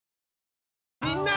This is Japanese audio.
みんな！